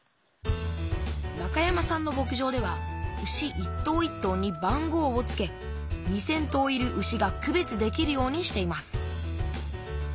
中山さんの牧場では牛一頭一頭に番号をつけ２，０００頭いる牛が区別できるようにしています